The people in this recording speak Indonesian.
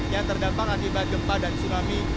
yang terdampak akibat gempa dan tsunami